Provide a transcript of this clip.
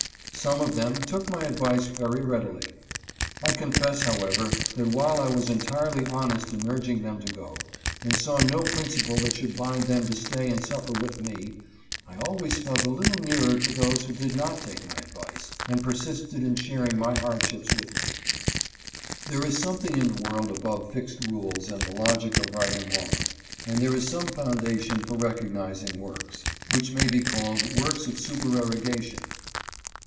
Some of them took my advice very readily. I confess, however, that while I was entirely honest in urging them to go. and saw no principle that should bind them to stay and suffer with me, I always felt a little nearer to those who did not take my advice and persisted in sharing my hard ships with me. There is something in the world above fixed rules and the logic of right and wrong, and there is some founda tion for recognizing works, which may be called works of supererogation.